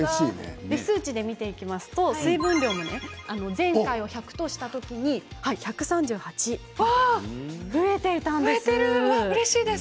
数値で見ると水分量を前回を１００とした時に１３８増えていたんです。